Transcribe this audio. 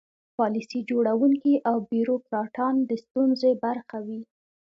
پالیسي جوړوونکي او بیروکراټان د ستونزې برخه وي.